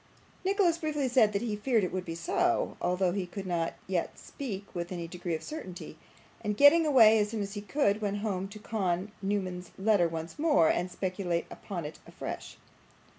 Nicholas briefly said that he feared it would be so, although he could not yet speak with any degree of certainty; and getting away as soon as he could, went home to con Newman's letter once more, and speculate upon it afresh.